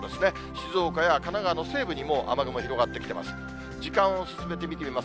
静岡や神奈川の西部にもう雨雲広がってきています。